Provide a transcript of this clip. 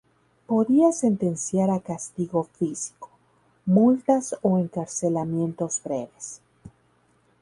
Podía sentenciar a castigo físico, multas o encarcelamientos breves.